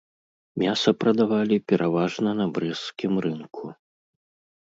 Мяса прадавалі пераважна на брэсцкім рынку.